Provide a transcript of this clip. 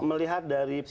melihat dari pola